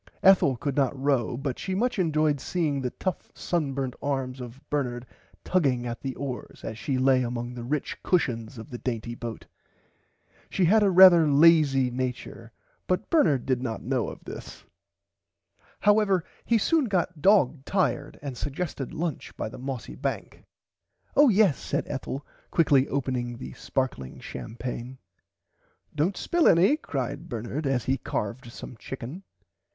Ethel could not row but she much enjoyed seeing the tough sunburnt arms of Bernard tugging at the oars as she lay among the rich cushons of the dainty boat. She had a rarther lazy nature but Bernard did not know of this. However he soon got dog tired and sugested lunch by the mossy bank. Oh yes said Ethel quickly opening the sparkling champaigne. Dont spill any cried Bernard as he carved some chicken.